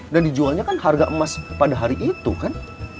dan dijualnya kan harga emas pada hari itu kan